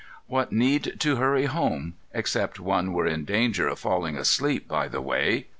What need to hurry home, except one were in danger of falling asleep by the way?